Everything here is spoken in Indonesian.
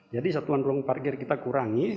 jadi satuan ruang parkir kita kurangi